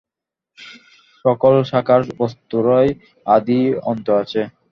সকল সাকার বস্তুরই আদি অন্ত আছে।